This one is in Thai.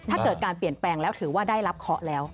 ถ้าเกิดการเปลี่ยนแปลงแล้วถือว่าได้รับเคาะแล้ว